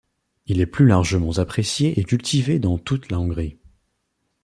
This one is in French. Il est plus largement apprécié et cultivé dans toute la Hongrie.